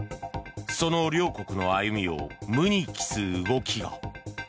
その両国の歩みを無に帰す動きが。